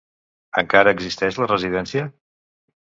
Encara existeix la residència?